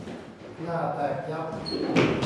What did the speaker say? หน้าแตกยับ !